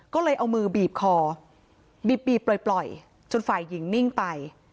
ก็เลยเอามือบีบคอบีบปล่อยจนฝ่ายหญิงนิ่งไป